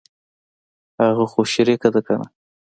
اگه خو شريکه ده کنه.